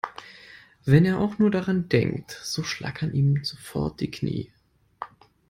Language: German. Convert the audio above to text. Wenn er auch nur daran denkt, so schlackern ihm sofort die Knie.